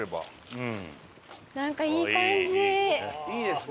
いいですね。